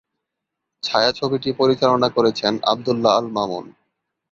ছায়াছবিটি পরিচালনা করেছেন আবদুল্লাহ আল মামুন।